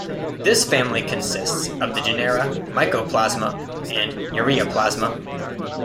This family consists of the genera "Mycoplasma" and "Ureaplasma".